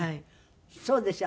そうですよ。